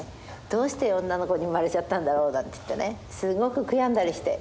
どうして女の子に生まれちゃったんだろうなんて言ってねすごく悔やんだりして。